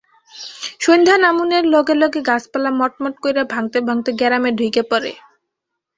সইন্ধ্যা নামুনের লগে লগে গাছপালা মটমট কইরা ভাঙতে ভাঙতে গেরামে ঢুইকা পড়ে।